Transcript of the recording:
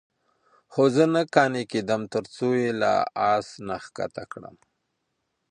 خو زه نه قانع کېدم. ترڅو یې له آس نه ښکته کړم،